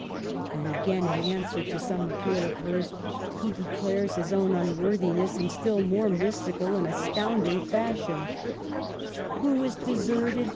And again, in answer to some appeal of hers he declares his own unworthiness in still more mys tic and astounding fashion :*' Who is deserted.